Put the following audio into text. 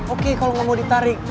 oke kalau nggak mau ditarik